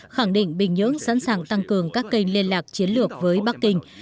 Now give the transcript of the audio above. khẳng định bình nhưỡng sẵn sàng tăng cường các kênh liên lạc chiến lược với bắc kinh